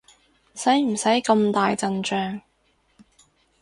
使唔使咁大陣仗？